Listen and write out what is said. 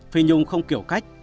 phi nhung không kiểu cách